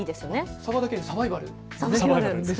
サバだけにサバイバル。